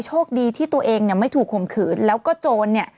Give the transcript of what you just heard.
โชคดีที่ตัวเองไม่ถูกข่มขืนแล้วก็โจร